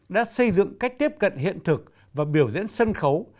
đã xây dựng cách tiếp cận hiện thực và biểu diễn sân khấu